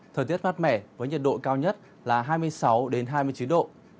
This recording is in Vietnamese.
thời tiết mát mẻ với nhiệt độ cao nhất là hai mươi sáu hai mươi chín độ